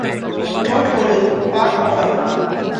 ঠোঁট হলুদ, পা কমলা-হলুদ।